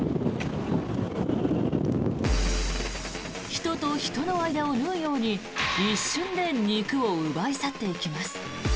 人と人の間を縫うように一瞬で肉を奪い去っていきます。